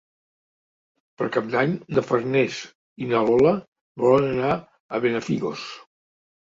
Per Cap d'Any na Farners i na Lola volen anar a Benafigos.